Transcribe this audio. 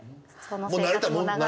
その生活も長い。